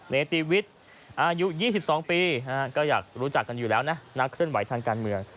เนติวิทย์อายุ๒๒ปีก็อยากรู้จักกันอยู่แล้วนะนักเคลื่อนไหวทางการเมือง